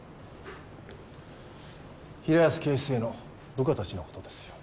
平安警視正の部下たちの事ですよ。